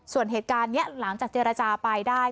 ส่วนเหตุการณ์นี้หลังจากเจรจาไปได้